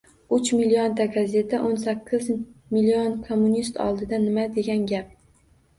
Uch millionta gazeta o‘n sakkiz million kommunist oldida nima degan gap?